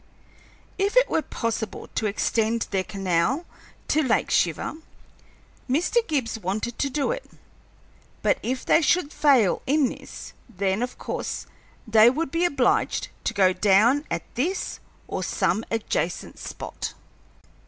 If it were possible to extend their canal to Lake Shiver, Mr. Gibbs wanted to do it, but if they should fail in this, then, of course, they would be obliged to go down at this or some adjacent spot.